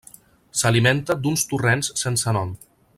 S'alimenta d'uns torrents sense nom.